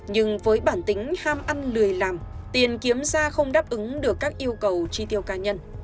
nhưng với bản tính ham ăn lười làm tiền kiếm ra không đáp ứng được các yêu cầu chi tiêu cá nhân